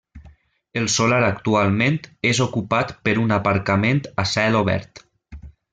El solar actualment és ocupat per un aparcament a cel obert.